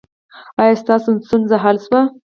ایا ستاسو ستونزې حل شوې؟